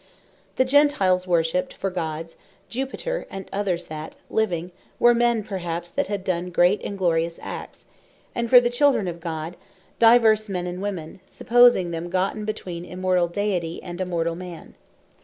The Gentiles worshipped for Gods, Jupiter, and others; that living, were men perhaps that had done great and glorious Acts; and for the Children of God, divers men and women, supposing them gotten between an Immortall Deity, and a mortall man.